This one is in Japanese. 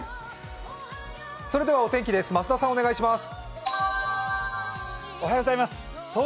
それではお天気です、増田さんお願いします。